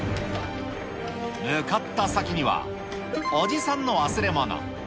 向かった先には、おじさんの忘れ物。